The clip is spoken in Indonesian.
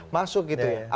masuk gitu ya